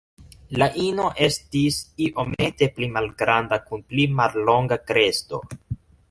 La ino estis iomete pli malgranda kun pli mallonga kresto.